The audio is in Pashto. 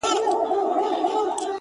د زړگي شال دي زما پر سر باندي راوغوړوه,